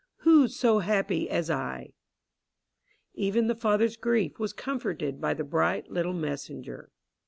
Who so happy as I?" Even the father's grief was comforted by the bright little messenger.